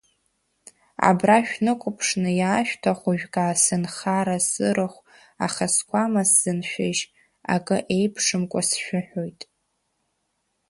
Абра шәнықәԥшны иаашәҭаху жәга, сынхара, сырахә, аха Сқәама сзыншәыжь, акы еиԥшымкәа сшәыҳәоит.